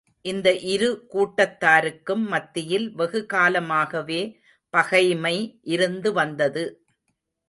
இந்த இரு கூட்டத்தாருக்கும் மத்தியில் வெகு காலமாகவே பகைமை இருந்து வந்தது.